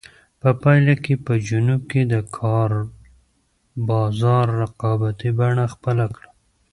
په پایله کې په جنوب کې د کار بازار رقابتي بڼه خپله کړه.